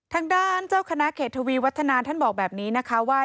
ทางด้านเจ้าคณะเขตทวีวัฒนาท่านบอกแบบนี้นะคะว่า